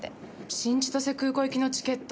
新千歳空港行きのチケット